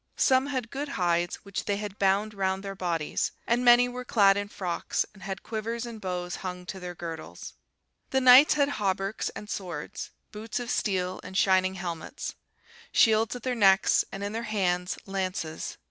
Some had good hides which they had bound round their bodies; and many were clad in frocks, and had quivers and bows hung to their girdles. The knights had hauberks and swords, boots of steel and shining helmets; shields at their necks, and in their hands lances.